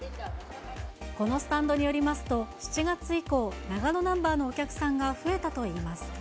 このスタンドによりますと、７月以降、長野ナンバーのお客さんが増えたといいます。